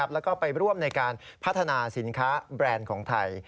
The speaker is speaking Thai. แล้วก็ไปร่วมในการพัฒนาสินค้าแบรนด์ของไทย